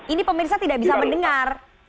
ini pemirsa tidak bisa mendengar